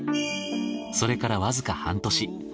それからわずか半年。